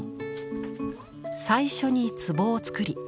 最初に壷を作り